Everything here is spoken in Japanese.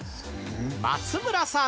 松村さん。